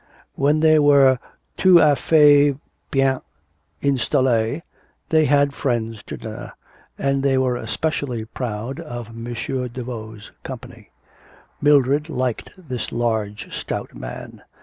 When they were tout a fait bien installees, they had friends to dinner, and they were especially proud of M. Daveau's company. Mildred liked this large, stout man.